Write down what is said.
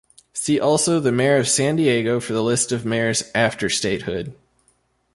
See also the mayor of San Diego for the list of mayors after statehood.